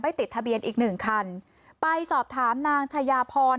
ติดทะเบียนอีกหนึ่งคันไปสอบถามนางชายาพร